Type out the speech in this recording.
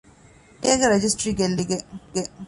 ގޭގެ ރަޖިސްޓްރީ ގެއްލިގެން